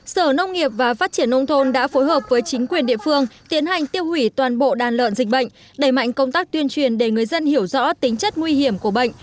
sở nông nghiệp và phát triển nông thôn đã phối hợp với chính quyền địa phương tiến hành tiêu hủy toàn bộ đàn lợn dịch bệnh đẩy mạnh công tác tuyên truyền để người dân hiểu rõ tính chất nguy hiểm của bệnh